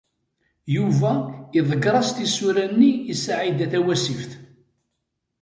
Yuba iḍegger-as tisura-nni i Saɛida Tawasift.